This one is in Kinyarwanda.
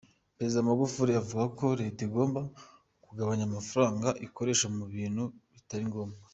Perezida Magufuli avuga ko leta igomba kugabanya amafaranga ikoresha mu bintu bitari ngombwa.